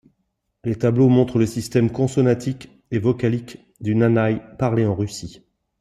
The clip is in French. Les tableaux montrent le système consonantique et vocalique du nanaï parlé en Russie.